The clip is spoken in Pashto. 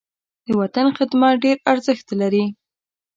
د وطن خدمت ډېر ارزښت لري.